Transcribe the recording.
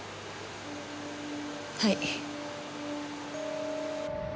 はい。